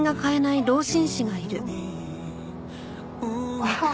ああ！